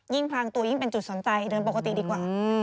ยิ่งพรางตัวยิ่งเป็นจุดสนใจเรื่องปกติดีกว่า